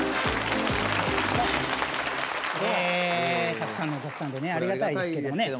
たくさんのお客さんでありがたいですけどもね。